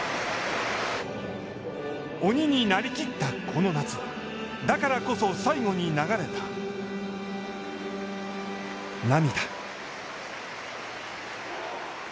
鬼になりきったこの夏、だからこそ最後に流れた涙。